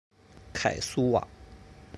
凯苏瓦。